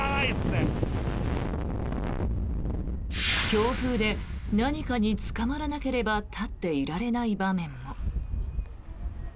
強風で何かにつかまらなければ立っていられない場面も。